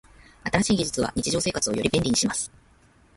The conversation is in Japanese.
新しい技術は日常生活をより便利にします。